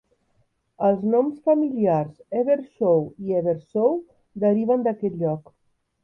Els noms familiars "Evershaw" i "Eversaw" deriven d'aquest lloc.